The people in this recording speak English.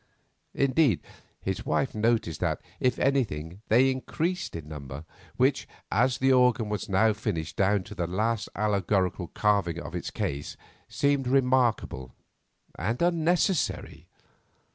Indeed, his wife noticed that, if anything, they increased in number, which, as the organ was now finished down to the last allegorical carvings of its case, seemed remarkable and unnecessary.